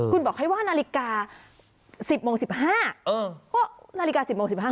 คุณบอกให้ว่านาฬิกา๑๐โมง๑๕ก็นาฬิกา๑๐โมง๑๕